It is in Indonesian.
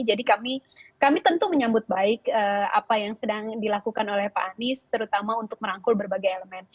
jadi kami tentu menyambut baik apa yang sedang dilakukan oleh pak anies terutama untuk merangkul berbagai elemen